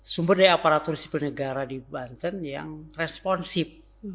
sumber dari aparatur sipil negara di banten yang responsif